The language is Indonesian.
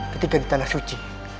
ketika di tanah suci